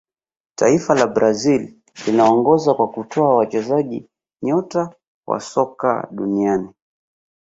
taifa la brazil linaongoza kwa kutoa wachezaji nyota wa soka duniani